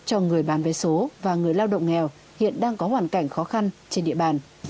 cho người bán vé số và người lao động nghèo hiện đang có hoàn cảnh khó khăn trên địa bàn